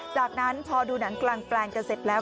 จากนั้นพอดูหนังกลางแปลงกันเสร็จแล้ว